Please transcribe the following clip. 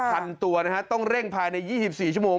พันตัวนะฮะต้องเร่งภายใน๒๔ชั่วโมง